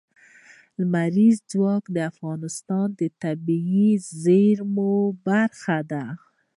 لمریز ځواک د افغانستان د طبیعي زیرمو برخه ده.